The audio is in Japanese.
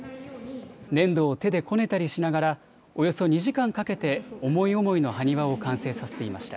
粘土を手でこねたりしながらおよそ２時間かけて思い思いの埴輪を完成させていました。